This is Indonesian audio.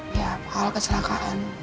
ya pak kecelakaan